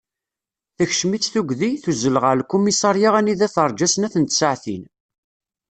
Tekcem-itt tugdi, tuzzel ɣer lkumisarya anida terǧa snat n tsaɛtin.